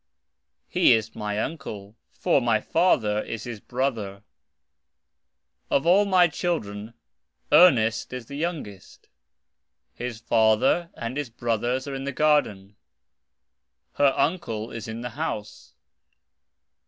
He is my uncle, for my father is his brother. Of all my children, Ernest is the youngest. His father and his brothers are in the garden. Her uncle is in the house.